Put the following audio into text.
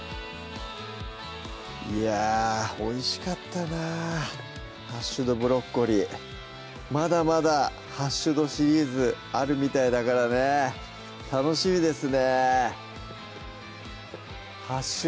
いやぁおいしかったな「ハッシュドブロッコリー」まだまだハッシュドシリーズあるみたいだからね楽しみですね